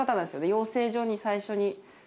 養成所に最初に。